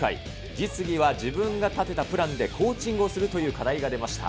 実技は自分が立てたプランでコーチングをするという課題が出ました。